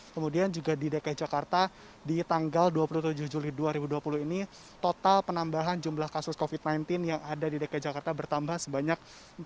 kemudian juga di dki jakarta di tanggal dua puluh tujuh juli dua ribu dua puluh ini total penambahan jumlah kasus covid sembilan belas yang ada di dki jakarta bertambah sebanyak empat puluh